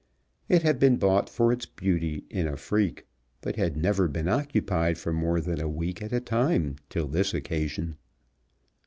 It had been bought for its beauty in a freak, but had never been occupied for more than a week at a time till this occasion.